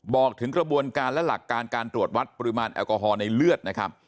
บอกถึงกระบวนการและหลักการการตรวจวัดปริมาณแอลกอฮอล์ในเลือดนะครับ